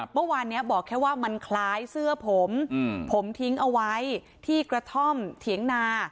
เมื่อวานนี้บอกแค่ว่ามันคล้ายเสื้อผมผมทิ้งเอาไว้ที่กระท่อมเถียงนา